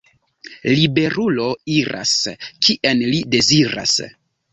Liberulo iras, kien li deziras.